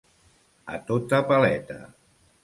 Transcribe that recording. A tota paleta.